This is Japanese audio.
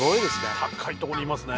高いとこにいますね。